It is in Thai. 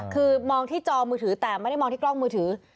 คือมองที่จอมือถือแต่ไม่ได้มองที่กล้องมือถือ